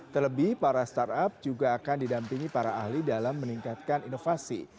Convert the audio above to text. terlebih para startup juga akan didampingi para ahli dalam meningkatkan inovasi